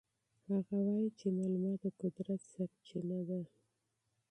هغه وایي چې معلومات د قدرت سرچینه ده.